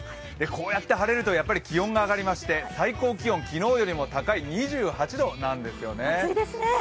こうやって晴れると気温が上がりまして、最高気温昨日よりも高い２８度なんですよね。